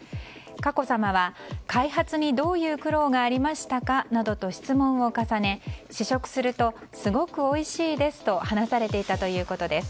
佳子さまは、開発にどういう苦労がありましたかなどと質問を重ね、試食するとすごくおいしいですと話されていたということです。